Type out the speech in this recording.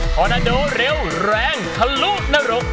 ฮอร์นาโด่เร็วแรงคลุนรก